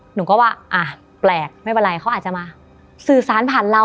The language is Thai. หนูก็ว่าอ่ะแปลกไม่เป็นไรเขาอาจจะมาสื่อสารผ่านเรา